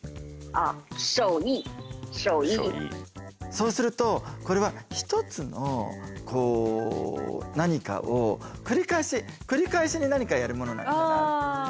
そうするとこれは一つのこう何かを繰り返し繰り返しに何かやるものなのかなって。